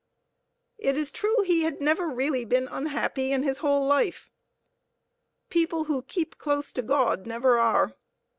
It is true he had never been really unhappy in his whole life. People who keep close to God never are.